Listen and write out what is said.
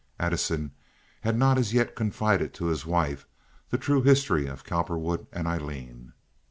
(Addison had not as yet confided to his wife the true history of Cowperwood and Aileen.)